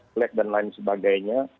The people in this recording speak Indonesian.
klek dan lain sebagainya